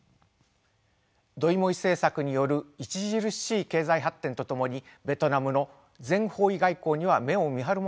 ドイモイ政策による著しい経済発展とともにベトナムの全方位外交には目を見張るものがあります。